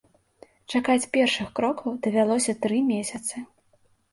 Чакаць першых крокаў давялося тры месяцы.